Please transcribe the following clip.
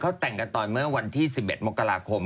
เขาแต่งกันตอนเมื่อวันที่๑๑มกราคม